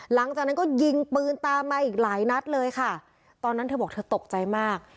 หลังจากนั้นก็ยิงปืนตามมาอีกหลายนัดเลยค่ะตอนนั้นเธอบอกเธอตกใจมาก